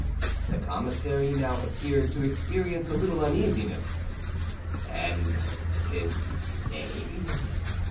The commissary now appeared to experience a little uneasiness. "And his name?"